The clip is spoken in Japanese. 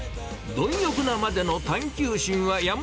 どん欲なまでの探究心はやむ